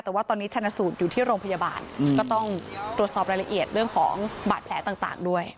แต่ว่าตอนนี้ชนะสูตรอยู่ที่โรงพยาบาลก็ต้องตรวจสอบรายละเอียดเรื่องของบาดแผลต่างด้วย